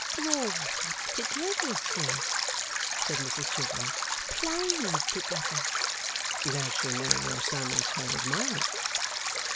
'Brought up together, sir,' said Mrs Chivery. 'Played together.' 'Does she know your son as her admirer?